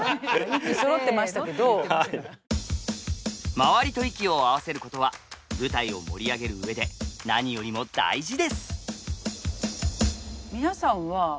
周りと息を合わせることは舞台を盛り上げる上で何よりも大事です。